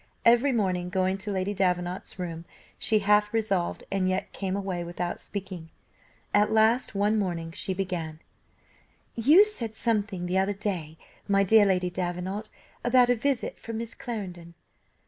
Every morning going to Lady Davenant's room, she half resolved and yet came away without speaking. At last, one morning, she began: "You said something the other day, my dear Lady Davenant, about a visit from Miss Clarendon.